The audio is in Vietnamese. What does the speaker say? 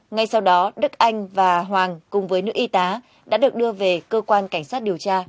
ngay sau đó đức anh và hoàng cùng với nữ y tá đã được đưa về cơ quan cảnh sát điều tra để làm rõ vụ việc